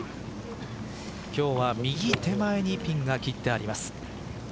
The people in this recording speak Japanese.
今日は右手前にピンが切ってあります。